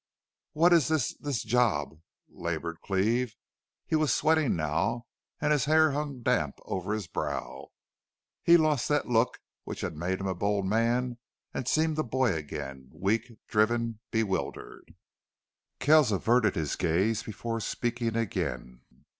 "What is this this job?" labored Cleve. He was sweating now and his hair hung damp over his brow. He lost that look which had made him a bold man and seemed a boy again, weak, driven, bewildered. Kells averted his gaze before speaking again.